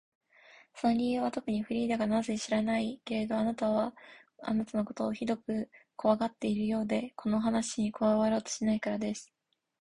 その理由はとくに、フリーダがなぜか知らないけれど、あなたのことをひどくこわがっているようで、この話に加わろうとしないからです。